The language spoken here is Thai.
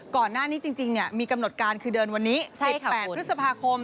ก่อนหน้านี้จริงมีกำหนดการคือเดินวันนี้๑๘พฤษภาคม